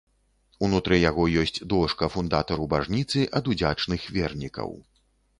Унутры яго ёсць дошка фундатару бажніцы ад удзячных вернікаў.